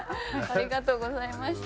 ありがとうございます。